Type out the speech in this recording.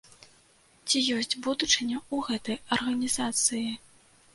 Ці ёсць будучыня ў гэтай арганізацыі?